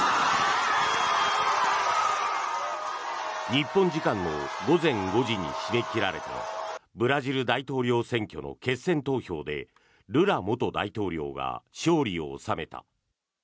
日本時間の午前５時に締め切られたブラジル大統領選挙の決選投票でルラ元大統領が勝利を収めた。